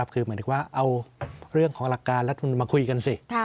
คือเหมือนกับว่าเอาเรื่องของหลักการแล้วมาคุยกันสิ